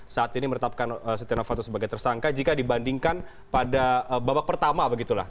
saat ini meretapkan setia novanto sebagai tersangka jika dibandingkan pada babak pertama begitu lah